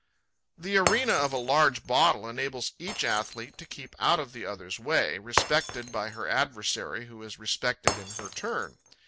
The arena of a large bottle enables each athlete to keep out of the other's way, respected by her adversary, who is respected in her turn.